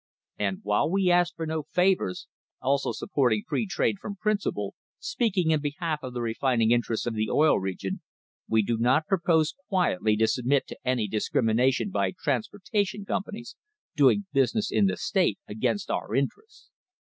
And, while we ask for no favours, always supporting free trade from principle, speaking in behalf of the refining interests of the Oil Region, we do not propose quietly to submit to any discrimination by trans portation companies, doing business in the state, against our interests.